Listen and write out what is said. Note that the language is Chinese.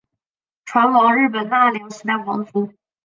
船王日本奈良时代皇族。